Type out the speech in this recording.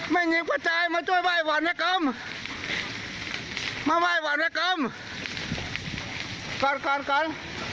ไม่เห็นกว่าใจมาช่วยไหว้หวัดนะครับมาไหว้หวัดนะครับก่อนก่อนก่อน